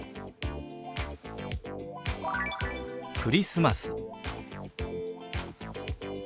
「クリスマス」。